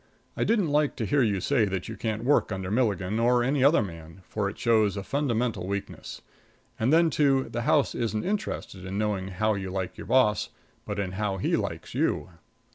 I don't like to hear you say that you can't work under Milligan or any other man, for it shows a fundamental weakness. And then, too, the house isn't interested in knowing how you like your boss, but in how he likes you.